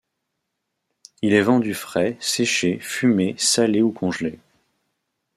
Il est vendu frais, séché, fumé, salé ou congelé.